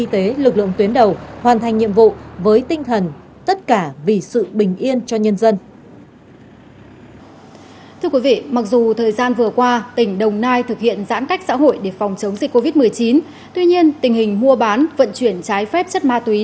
tuy nhiên tình hình mua bán vận chuyển trái phép chất ma túy